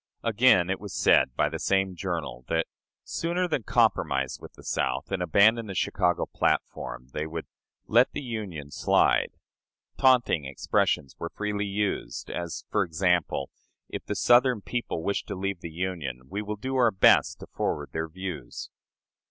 Again, it was said by the same journal that, "sooner than compromise with the South and abandon the Chicago platform," they would "let the Union slide." Taunting expressions were freely used as, for example, "If the Southern people wish to leave the Union, we will do our best to forward their views."